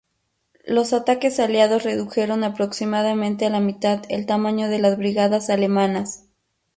Los ataques Aliados redujeron aproximadamente a la mitad el tamaño de las brigadas alemanas.